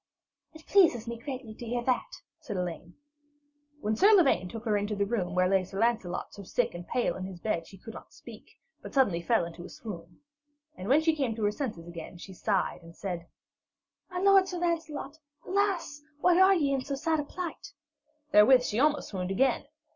'It pleaseth me greatly to hear that,' said Elaine. When Sir Lavaine took her into the room where lay Sir Lancelot so sick and pale in his bed, she could not speak, but suddenly fell in a swoon. And when she came to her senses again she sighed and said: 'My lord, Sir Lancelot, alas, why are ye in so sad a plight?' Therewith she almost swooned again.